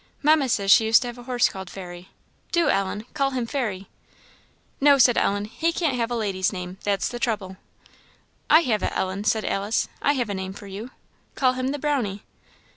Mamma says she used to have a horse called Fairy. Do, Ellen! call him Fairy." "No," said Ellen; "he can't have a lady's name that's the trouble." "I have it, Ellen!" said Alice "I have a name for you call him the Brownie."